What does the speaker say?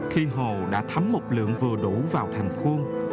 khi hồ đã thấm một lượng vừa đủ vào thành khuôn